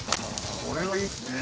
これはいいですね。